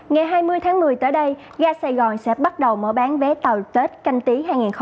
ngày hai mươi tháng một mươi tới đây ga sài gòn sẽ bắt đầu mở bán vé tàu tết canh tí hai nghìn hai mươi